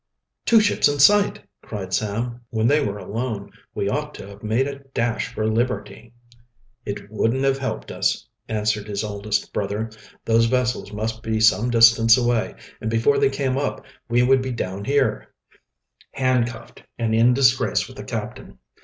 "Two ships in sight!" cried Sam, when they were alone. "We ought to have made a dash for liberty." "It wouldn't have helped us," answered his oldest brother. "Those vessels must be some distance away, and before they came up we would be down here, handcuffed, and in disgrace with the captain.